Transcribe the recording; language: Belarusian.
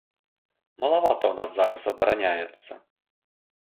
Малавата ў нас зараз абараняецца.